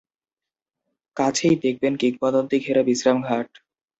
কাছেই দেখবেন কিংবদন্তি ঘেরা বিশ্রামঘাট।